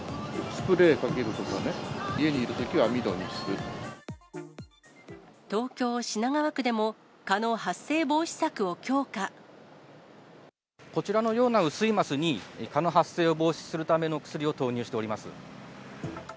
スプレーかけるとかね、家にいる東京・品川区でも、こちらのような雨水ますに、蚊の発生を防止するための薬を投入しております。